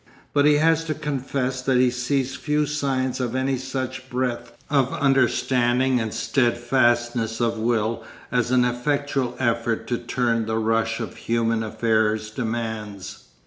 But he has to confess that he sees few signs of any such breadth of understanding and steadfastness of will as an effectual effort to turn the rush of human affairs demands.